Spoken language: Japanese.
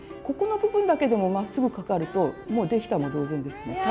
ここの部分だけでもまっすぐかかるともう出来たも同然ですね。